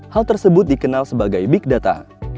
hal tersebut dikenal sebagai big data